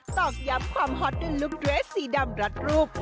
ตอกย้ำความฮอตด้วยลุคเรสสีดำรัดรูป